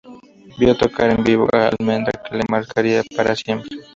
Vio tocar en vivo a Almendra, que lo marcaría para siempre.